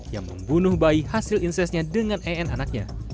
yang membunuh bayi hasil insesnya dengan en anaknya